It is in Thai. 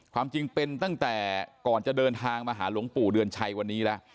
ความจริงเป็นตั้งแต่ก่อนจะเดินทางมาหาหลวงปู่เดือนชัยวันนี้แล้ว